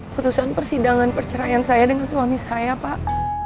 putusan persidangan perceraian saya dengan suami saya pak